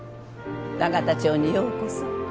永田町にようこそ。